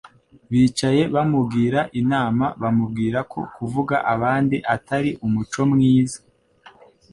bicaye bamugira inama bamubwirako kuvuga abandi atari umuco mwiza